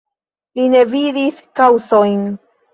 Mi ne vidis kaŭzojn.